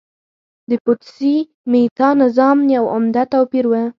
د پوتسي میتا نظام یو عمده توپیر و